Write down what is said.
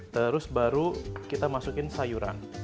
terus baru kita masukin sayuran